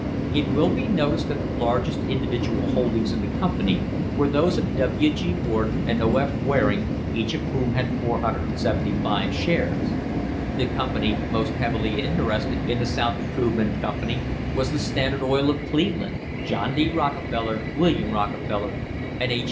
It will be noticed that the largest individual holdings in the company were those of W. G. Warden and O. F. Waring, each of whom had 475 shares. The company most heavily interested in the South Improvement Company was the Standard Oil of Cleveland, J. D. Rockefeller, William Rockefeller and H.